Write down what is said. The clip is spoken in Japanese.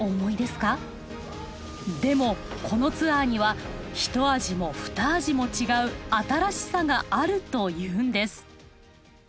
でもこのツアーには一味も二味も違う新しさがあるというんです。